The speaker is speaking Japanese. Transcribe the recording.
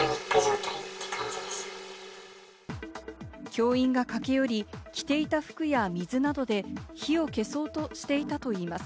教員が駆け寄り、着ていた服や水などで火を消そうとしていたといいます。